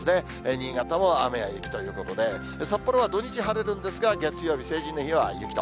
新潟も雨や雪ということで、札幌は土日晴れるんですが、月曜日、成人の日は雪と。